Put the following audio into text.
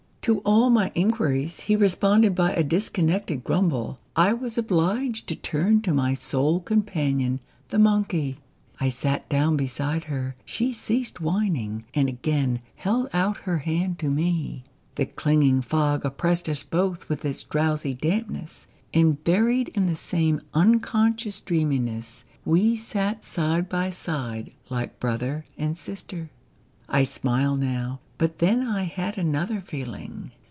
To all my inquiries he responded by a dis connected grumble. I was obliged to turn to my sole companion, the monkey. I sat down beside her ; she ceased whining, and again held out her hand to me. The clinging fog oppressed us both with its drowsy dampness ; and buried in the same un 318 POEMS IN PROSE conscious dreaminess, we sat side by side like brother and sister. I smile now ... but then I had another feeling.